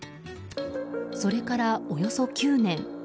それから、およそ９年。